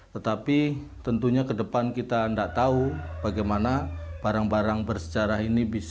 tetapi tentunya kedepan kita tidak tahu bagaimana barang barang bersejarah ini berhasil